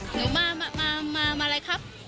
หนูมาอะไรครับ